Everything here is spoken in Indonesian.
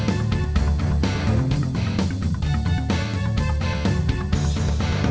itu warga sini diserang orang luar